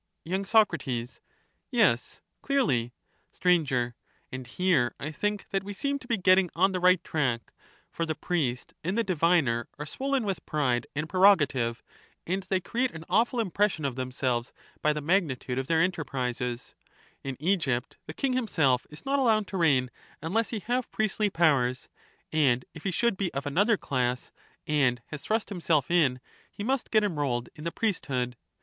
y. Soc, Yes, clearly. Sir, And here I think that we seem to be getting on the right track ; for the priest and the diviner are swollen with pride an^j^rerogative, and they create an awful impression of "themselves by tKe' magnitude of their enterprises ; in Egypt, the king himself is not allowed to reign, unless he have priestly powers, and if he should be of another class and has thrust himself in, he must get enrolled in the priesthood.